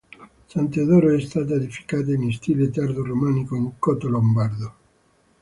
San Teodoro è stata edificata in stile tardo romanico in cotto lombardo.